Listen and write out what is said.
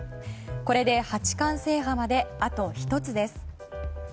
これで八冠制覇まであと１つです。